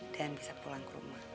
dan bisa pulang ke rumah